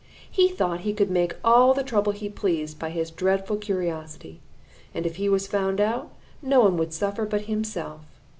He thought he could make all the trouble he pleased by his dreadful curiosity, and if he was found out, no one would suffer but himself.